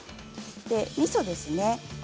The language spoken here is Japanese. みそです。